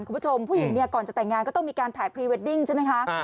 คุณผู้ชมผู้หญิงเนี่ยก่อนจะแต่งงานก็ต้องมีการถ่ายพรีเวดดิ้งใช่ไหมคะ